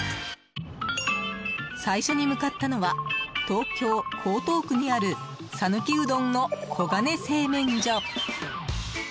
最初に向かったのは東京・江東区にある讃岐うどんの、こがね製麺所。